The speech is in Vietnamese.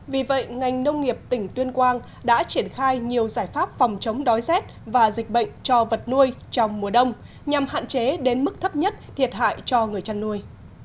vì vậy ngành nông nghiệp tỉnh tuyên quang đã triển khai nhiều giải pháp phòng chống đói rét và dịch bệnh cho vật nuôi trong mùa đông nhằm hạn chế đến mức thấp nhất thiệt hại cho người chăn nuôi